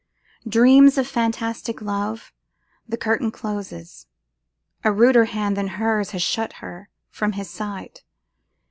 Dreams of fantastic love: the curtain closes; a ruder hand than hers has shut her from his sight!